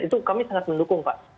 itu kami sangat mendukung pak